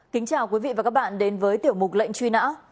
kính chào quý vị và các bạn đến với tiểu mục lệnh truy nã